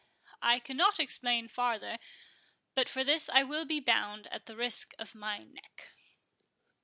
I cannot explain farther; but for this I will be bound, at the risk of my neck."